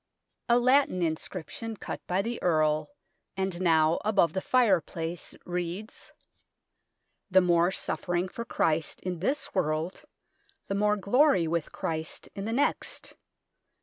'' A Latin inscription cut by the Earl, and now above the fireplace, reads : The more suffering for Christ in this world, the more glory with Christ in the next.